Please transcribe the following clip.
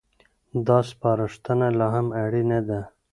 دا سپارښتنه لا هم اړينه ده.